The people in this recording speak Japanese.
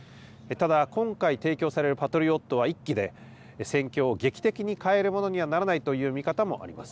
ただ、今回提供されるパトリオットは１基で、戦況を劇的に変えるものにはならないという見方もあります。